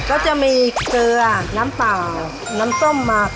ก็จะมีเกลือน้ำเปล่าน้ำส้มหมัก